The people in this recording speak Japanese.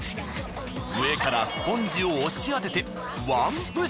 上からスポンジを押し当てて。